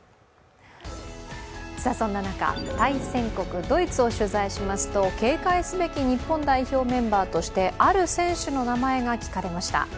そんな中、対戦国、ドイツを取材しますと警戒すべき日本代表メンバーとして、ある選手の名前が聞かれました